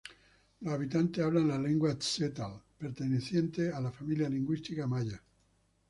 Los habitantes hablan la lengua tzeltal, perteneciente a la familia lingüística maya.